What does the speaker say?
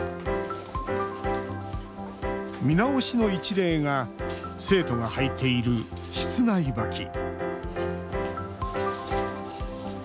見直しの一例が生徒が履いている室内履き。